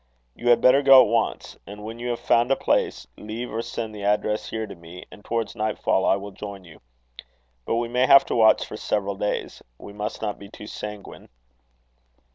You had better go at once; and when you have found a place, leave or send the address here to me, and towards night fall I will join you. But we may have to watch for several days. We must not be too sanguine."